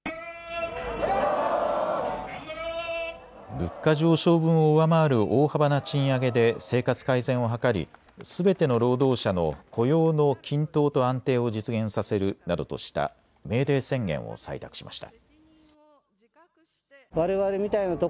物価上昇分を上回る大幅な賃上げで生活改善を図り、すべての労働者の雇用の均等と安定を実現させるなどとしたメーデー宣言を採択しました。